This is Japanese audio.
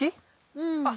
うん。